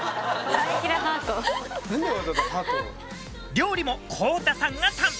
料理もこうたさんが担当。